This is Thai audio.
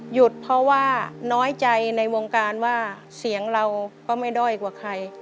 หยุดเพราะว่าน้อยใจในวงการว่าเสียงเราก็ไม่ด้อยกว่าใคร